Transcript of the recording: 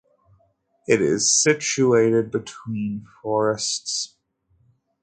It is situated between forests.